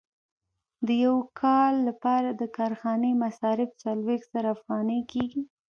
د یو کال لپاره د کارخانې مصارف څلوېښت زره افغانۍ کېږي